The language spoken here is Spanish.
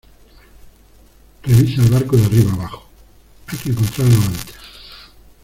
revisa el barco de arriba a abajo, hay que encontrarlo antes